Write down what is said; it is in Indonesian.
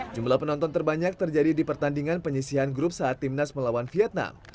jumlah penonton terbanyak terjadi di pertandingan penyisihan grup saat timnas melawan vietnam